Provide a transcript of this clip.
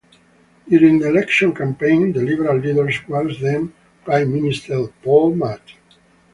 During the election campaign, the Liberal leader was then-Prime Minister Paul Martin.